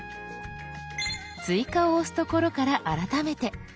「追加」を押すところから改めて。